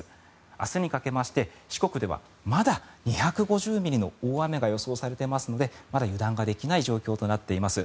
明日にかけて四国ではまだ２５０ミリの大雨が予想されていますのでまだ油断ができない状況となっています。